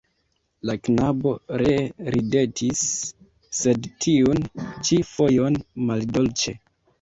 La knabo ree ridetis, sed tiun ĉi fojon maldolĉe.